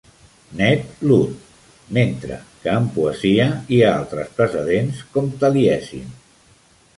Ned Ludd, mentre que en poesia hi ha altres precedents com Taliesin.